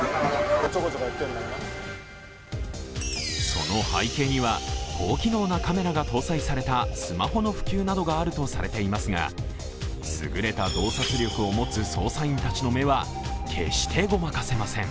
その背景には、高機能なカメラが搭載されたスマホの普及などがあるとされていますが優れた洞察力を持つ捜査員たちの目は決してごまかせません。